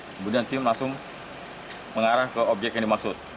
kemudian tim langsung mengarah ke objek yang dimaksud